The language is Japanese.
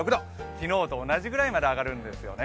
昨日と同じくらいまで上がるんですよね。